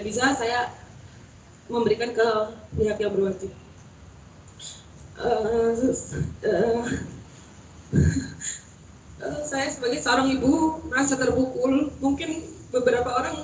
bisa saya memberikan ke pihak yang berwajib saya sebagai seorang ibu merasa terpukul mungkin beberapa orang